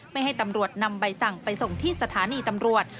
ให้ตำรวจนำใบสั่งไปส่งที่สถานีตำรวจ